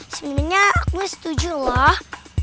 sebenernya aku setuju lah